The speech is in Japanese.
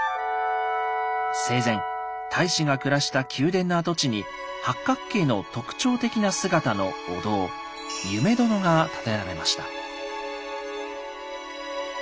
生前太子が暮らした宮殿の跡地に八角形の特徴的な姿のお堂「夢殿」が建てられました。